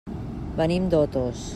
Venim d'Otos.